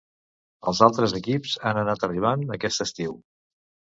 Els altres equips han anat arribant aquest estiu